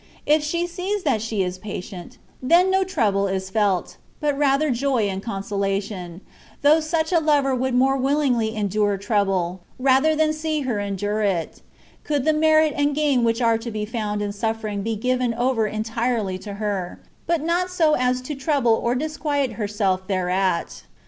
If she sees that she is patient, then no trouble is felt, but rather joy and consolation, though such a lover would more wiUingly endure trouble, rather than see her en dure it, could the merit and gain which are to be found in suffering be given over entirely to her, but not so as to trouble or disquiet herself thereat.